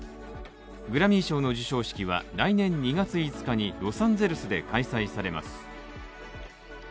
グラミー賞の授賞式は来年２月５日にロサンゼルスで開催されます。